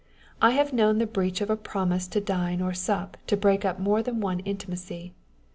I have known the breach of a promise to dine or sup to break up more than one intimacy.